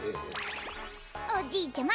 おじいちゃま。